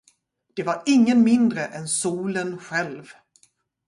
Det var ingen mindre än solen själv.